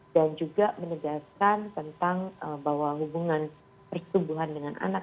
dan juga menegaskan tentang bahwa hubungan perkembuhan dengan anak